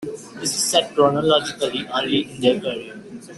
This is set chronologically early in their career.